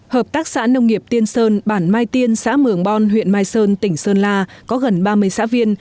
hợp tác xã nông nghiệp tiên sơn bản mai tiên xã mường bon huyện mai sơn tỉnh sơn la có gần ba mươi xã viên